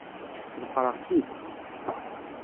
Ḍefreɣ-k-id.